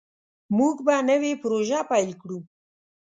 موږ به نوې پروژه پیل کړو.